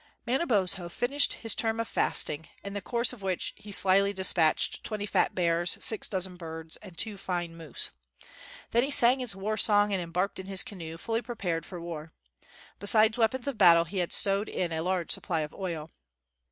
Manabozho finished his term of fasting, in the course of which he slyly despatched twenty fat bears, six dozen birds, and two fine moose. Then he sang his war song and embarked in his canoe, fully prepared for war. Besides weapons of battle, he had stowed in a large supply of oil.